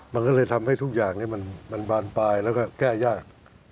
มันก็เลยทำให้ทุกอย่างมันบานปลายแล้วก็แก้ยาก